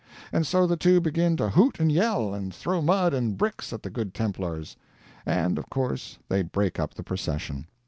And so the two begin to hoot and yell, and throw mud and bricks at the Good Templars; and, of course, they break up the procession.